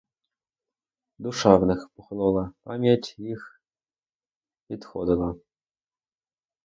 Душа в них похолола, пам'ять їх відходила.